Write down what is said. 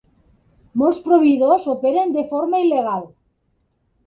Molts proveïdors operen de forma il·legal.